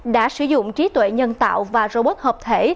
đã sử dụng trí tuệ nhân tạo và robot hợp thể